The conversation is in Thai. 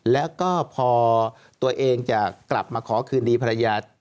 แล้วก็พอตัวเองจะกลับมาขอคืนดีภรรยา